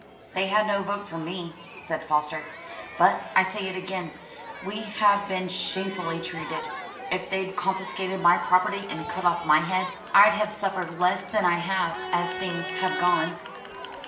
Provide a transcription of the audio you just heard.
] "They had no vote from me," said Foster. "But, I say it again, we have been shamefully treated; if they'd confiscated my property and cut off my head, I'd have suffered less than I have as things have gone."